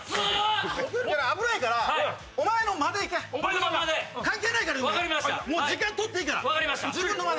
危ないから、お前の間でいけ、関係ないから、時間とっていいから自分の間で。